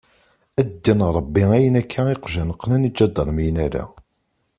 A ddin Ṛebbi ayen akka iqjan qnen iǧadarmiyen ala.